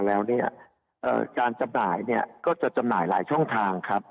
แล้วเนี่ยการจำหน่ายเนี่ยก็จะจำหน่ายหลายช่องทางครับ